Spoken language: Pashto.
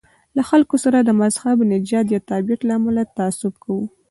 له خلکو سره د مذهب، نژاد یا تابعیت له امله تعصب کوو.